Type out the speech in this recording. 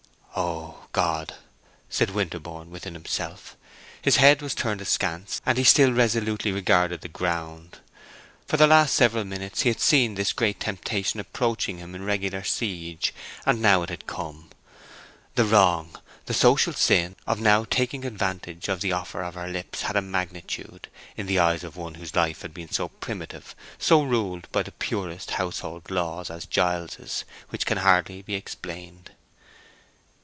"Oh God!" said Winterborne within himself. His head was turned askance as he still resolutely regarded the ground. For the last several minutes he had seen this great temptation approaching him in regular siege; and now it had come. The wrong, the social sin, of now taking advantage of the offer of her lips had a magnitude, in the eyes of one whose life had been so primitive, so ruled by purest household laws, as Giles's, which can hardly be explained.